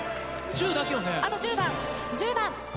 あと１０番１０番。